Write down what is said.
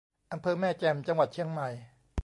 อำเภอแม่แจ่ม จังหวัดเชียงใหม่